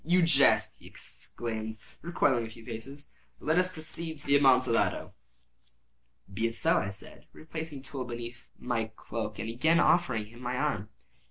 "You jest," he exclaimed, recoiling a few paces. "But let us proceed to the Amontillado." "Be it so," I said, replacing the tool beneath the cloak, and again offering him my arm.